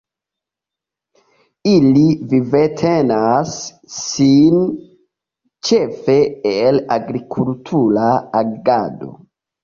Ili vivtenas sin ĉefe el agrikultura agado.